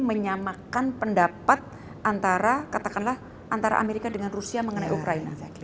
menyamakan pendapat antara katakanlah antara amerika dengan rusia mengenai ukraina